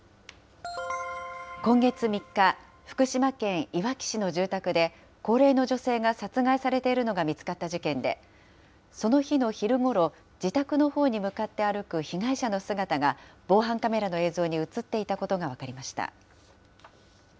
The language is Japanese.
今月３日、福島県いわき市の住宅で、高齢の女性が殺害されているのが見つかった事件で、その日の昼ごろ、自宅のほうに向かって歩く被害者の姿が、防犯カメラの映像に写っていたことが分かりました。